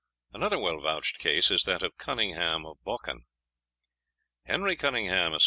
Another well vouched case is that of Cunningham of Boquhan. Henry Cunningham, Esq.